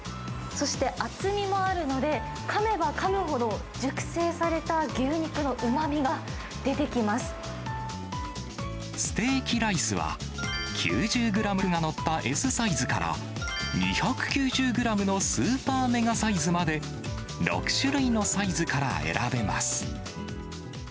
そして、厚みもあるので、かめばかむほど、熟成された牛肉のうまステーキライスは、９０グラムの肉が載ったＳサイズから、２９０グラムのスーパーメガサイズまで、６種類のサイズから選べます。